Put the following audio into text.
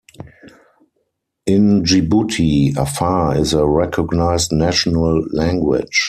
In Djibouti, Afar is a recognized national language.